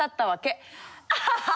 アハハハ！